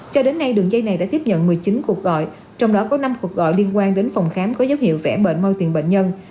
cho đến nay đường dây này đã tiếp nhận một mươi chín cuộc gọi trong đó có năm cuộc gọi liên quan đến phòng khám có dấu hiệu vẽ bệnh moi tiền bệnh nhân